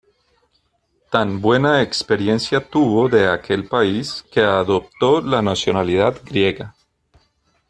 Tan buena experiencia tuvo de aquel país, que adoptó la nacionalidad griega.